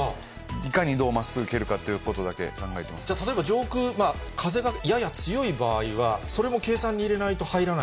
いかにどうまっすぐ蹴るかと例えば上空、風がやや強い場合は、それも計算に入れないと入らない？